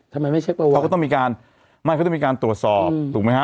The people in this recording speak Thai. ทำไมไม่เช็คประวัติเขาก็ต้องมีการไม่เขาต้องมีการตรวจสอบถูกไหมฮะ